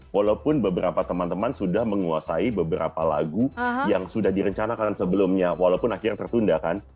walaupun beberapa teman teman sudah menguasai beberapa lagu yang sudah direncanakan sebelumnya walaupun akhirnya tertunda kan